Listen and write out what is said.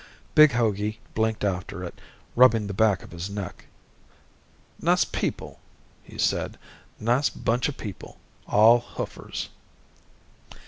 Big Hogey blinked after it, rubbing the back of his neck. "Nice people," he said. "Nice buncha people. All hoofers."